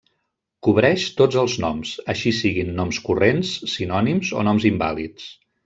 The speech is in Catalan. Cobreix tots els noms, així siguin noms corrents, sinònims o noms invàlids.